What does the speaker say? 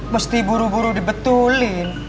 mesti buru buru dibetulin